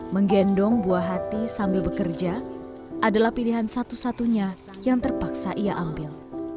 menggendong buah hati sambil bekerja adalah pilihan satu satunya yang terpaksa ia ambil